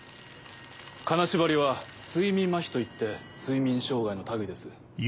金縛りは睡眠麻痺といって睡眠障害の類いです。